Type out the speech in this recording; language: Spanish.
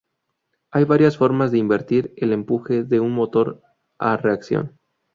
Hay varias formas de invertir el empuje de un motor a reacción.